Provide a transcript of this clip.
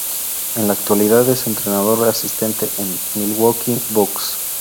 En la actualidad es entrenador asistente en Milwaukee Bucks.